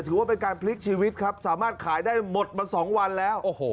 ถือว่าเป็นการพลิกชีวิตครับขายได้หมดละสองวันแล้ว